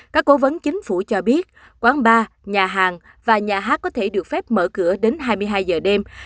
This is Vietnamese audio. các cố vấn chính phủ cho biết quán bar nhà hàng và nhà hát có thể được phép mở cửa đến hai mươi hai giờ đêm